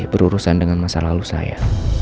berurusan dengan masa lalu saya